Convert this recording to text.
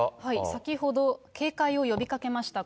先ほど警戒を呼びかけました。